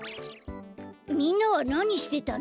みんなはなにしてたの？